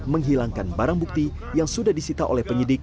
menghilangkan barang bukti yang sudah disita oleh penyidik